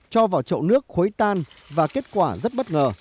cho vào chậu nước khối tan và kết quả rất bất ngờ